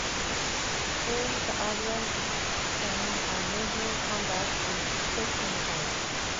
From the album came a major comeback hit, "Take Me Home".